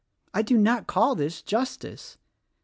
I do not call this justice.